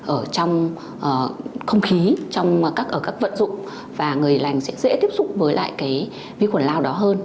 ở trong không khí trong ở các vận dụng và người lành sẽ dễ tiếp xúc với lại cái vi khuẩn lao đó hơn